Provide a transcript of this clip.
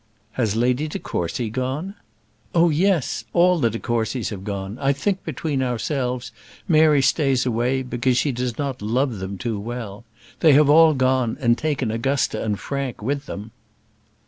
"Has Lady de Courcy gone?" "Oh, yes! All the de Courcys have gone. I think, between ourselves, Mary stays away because she does not love them too well. They have all gone, and taken Augusta and Frank with them."